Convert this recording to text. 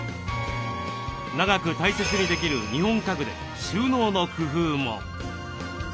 長く大切にできる日本家具で収納の工夫も。